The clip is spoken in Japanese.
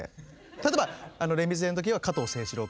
例えば「レ・ミゼ」の時は加藤清史郎君。